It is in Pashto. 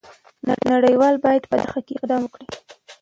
نړۍ وال باید په دې برخه کې اقدام وکړي.